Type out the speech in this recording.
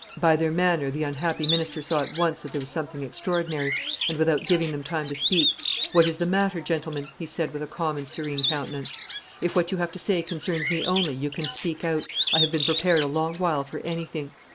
By their manner the unhappy minister saw at once that there was something extraordinary, and, without giving them time to speak, 'What is the matter, gentlemen?' he said with a calm and serene countenance. 'If what you have to say concerns me only, you can speak out; I have been prepared a long while for anything.